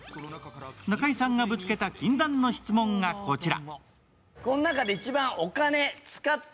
中居さんがぶつけた禁断の質問がこちら。